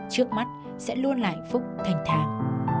trước mắt sẽ luôn lại phúc thành tháng